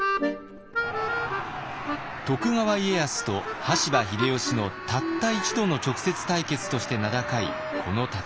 徳川家康と羽柴秀吉のたった一度の直接対決として名高いこの戦い。